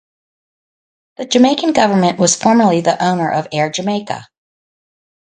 The Jamaican government was formerly the owner of Air Jamaica.